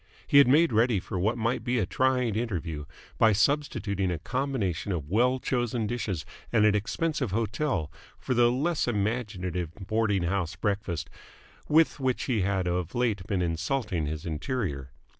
He had made ready for what might be a trying interview by substituting a combination of well chosen dishes at an expensive hotel for the less imaginative boarding house breakfast with which he had of late been insulting his interior.